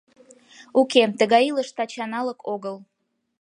Уке, тыгай илыш Тачаналык огыл.